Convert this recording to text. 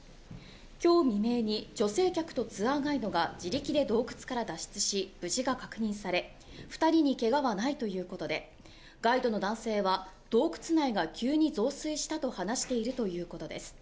今日未明に女性客とツアーガイドが自力で洞窟から脱出し無事が確認され、２人にけがはないということでガイドの男性は、洞窟内が急に増水したと話しているということです。